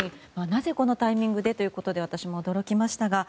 なぜこのタイミングでということで私も驚きましたが。